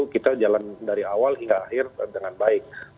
dua ribu dua puluh satu kita jalan dari awal hingga akhir dengan baik